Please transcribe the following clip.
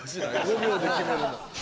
５秒で決めるの。